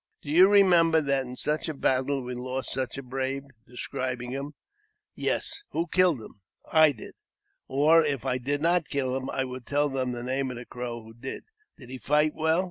" Do you remember that in such a battle we lost such a brave ?" describing him. "Yes." " Who killed him ?"" I did." Or, if I did not kill him, I would tell them the name of the Crow who did. " Did he fight well